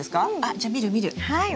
じゃあ見る見る。